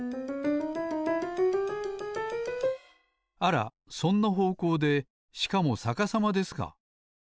あらそんなほうこうでしかもさかさまですか。